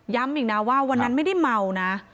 ย้ำอีกว่าวันนั้นไม่ได้เมานะ